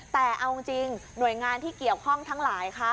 แต่เอาจริงหน่วยงานที่เกี่ยวข้องทั้งหลายค่ะ